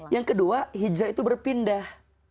yang kedua hijrah itu berpindah